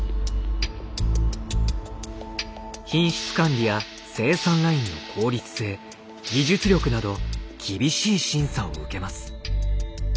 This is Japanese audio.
品質管理や生産ラインの効率性技術力など厳しい審査を受けます。